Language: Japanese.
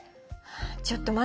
ちょっと待って！